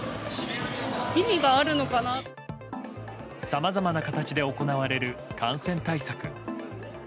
さまざまな形で行われる感染対策。